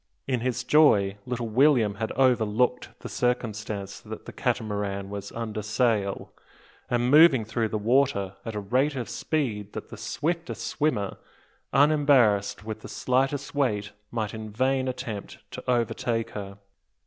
In his joy little William had overlooked the circumstance that the Catamaran was under sail, and moving through the water at a rate of speed that the swiftest swimmer, unembarrassed with the slightest weight, might in vain attempt to overtake her!